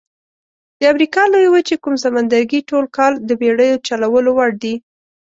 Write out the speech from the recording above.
د امریکا لویې وچې کوم سمندرګي ټول کال د بېړیو چلولو وړ دي؟